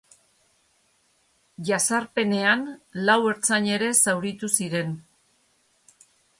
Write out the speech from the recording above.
Jazarpenean, lau ertzain ere zauritu ziren.